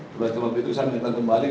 selepas itu saya menentang kembali